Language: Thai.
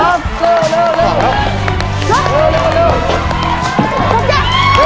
เร็วเร็วเร็ว